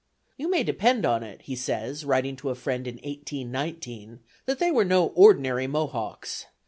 "You may depend upon it," he says, writing to a friend in 1819, "that they were no ordinary Mohawks.